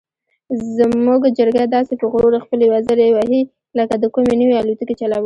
زموږ چرګه داسې په غرور خپلې وزرې وهي لکه د کومې نوې الوتکې چلول.